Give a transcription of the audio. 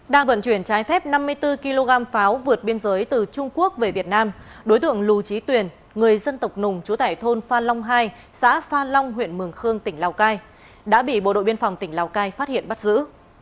đang vận chuyển trái phép năm mươi bốn kg pháo vượt biên giới từ trung quốc về việt nam đối tượng lù trí tuyền người dân tộc nùng chú tải thôn pha long hai xã pha long huyện mường khương tỉnh lào cai đã bị bộ đội biên phòng tỉnh lào cai phát hiện bắt giữ